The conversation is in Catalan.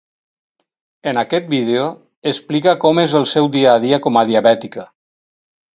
En aquest vídeo, explica com és el seu dia a dia com a diabètica.